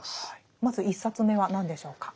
まず１冊目は何でしょうか？